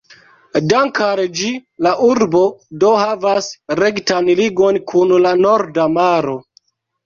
Dank'al ĝi la urbo do havas rektan ligon kun la Norda Maro.